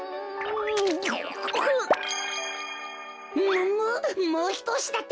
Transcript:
むむもうひとおしだってか！